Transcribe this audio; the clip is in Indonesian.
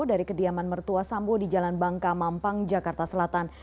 dari kediaman mertua sambo di jalan bangka mampang jakarta selatan